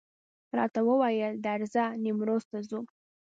راته وویل درځه نیمروز ته ځو.